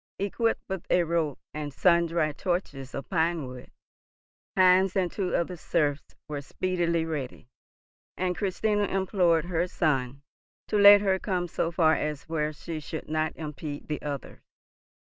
Equipped with a rope and sundry torches of pinewood, Heinz and two of the serfs were speedily ready, and Christina implored her son to let her come so far as where she should not impede the others.